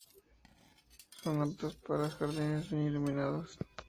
Son aptas para jardines bien iluminados.